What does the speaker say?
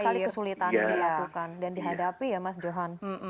sekali kesulitan yang dilakukan dan dihadapi ya mas johan